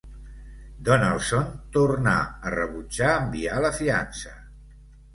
Donaldson tornà a rebutjar enviar la fiança.